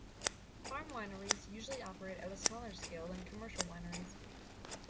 Farm wineries usually operate at a smaller scale than commercial wineries.